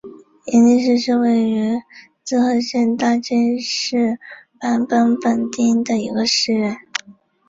延历寺是位于滋贺县大津市坂本本町的一个寺院。